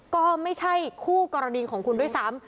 ก็ไม่ใช่คู่กรณีของคุณด้วยซ้ำ